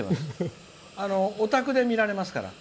お宅で見られますから。